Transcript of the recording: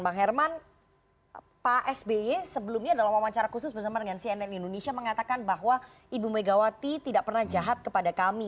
bang herman pak sby sebelumnya dalam wawancara khusus bersama dengan cnn indonesia mengatakan bahwa ibu megawati tidak pernah jahat kepada kami